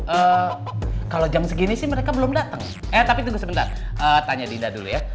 eee kalo jam segini sih mereka belum dateng eh tapi tunggu sebentar tanya dinda dulu ya